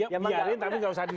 ya biarin tapi enggak usah di